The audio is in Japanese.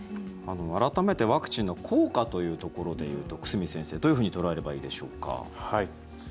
改めてワクチンの効果というところで言うと久住先生どういうふうに捉えればいいでしょうか。